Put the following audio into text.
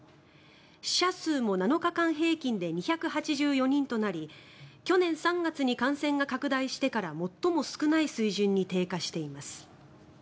死者数も７日平均で２８４人となり去年３月に感染が拡大してから最も少ない水準に低下しています。